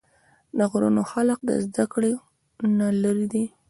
د غرونو خلق د زدکړو نه لرې دي